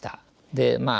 でまあ